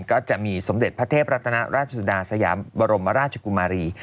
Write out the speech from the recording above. สมเด็จพระเทพรัตนราชสุดาสยามบรมราชกุมารี